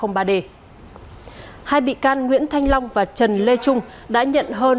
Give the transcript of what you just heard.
hai bị can nguyễn thanh long và trần lê trung đã nhận hơn chín triệu đồng